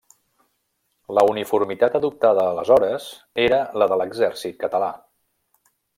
La uniformitat adoptada aleshores era la de l'Exèrcit Català.